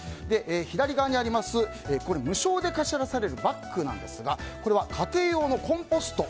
左側にあります、こちらは無償で貸し出されるバッグなんですが家庭用のコンポスト。